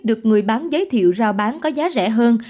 được người bán giới thiệu rao bán có giá rẻ hơn